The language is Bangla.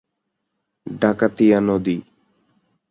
ডাকাতিয়া নদী।